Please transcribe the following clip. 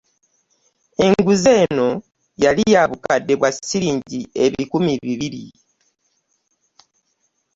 Enguzi eno yali ya bukadde bwa ssiringi ebikumi bibiri.